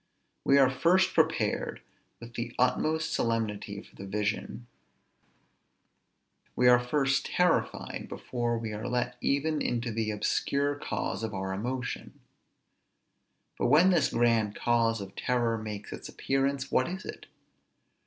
_ We are first prepared with the utmost solemnity for the vision; we are first terrified, before we are let even into the obscure cause of our emotion: but when this grand cause of terror makes its appearance, what is it?